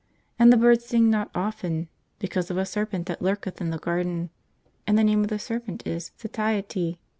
And the birds sing not often, because of a serpent that lurketh in the garden. And the name of the serpent is Satiety.